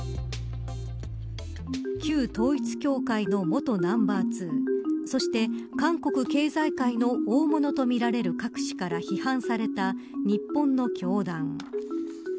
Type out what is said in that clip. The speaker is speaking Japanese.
旧統一教会の元ナンバー２そして韓国経済界の大物とみられるカク氏から批判された日本の教団。